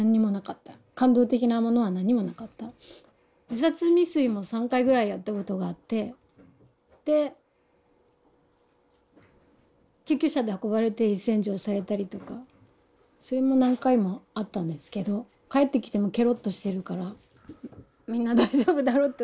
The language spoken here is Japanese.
自殺未遂も３回ぐらいやったことがあってで救急車で運ばれて胃洗浄されたりとかそれも何回もあったんですけど帰ってきてもケロッとしてるからみんな大丈夫だろうと思ったみたい。